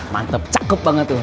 mantep cakep banget tuh